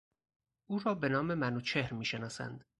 او را به نام منوچهر میشناسند.